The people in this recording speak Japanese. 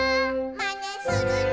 「まねするな」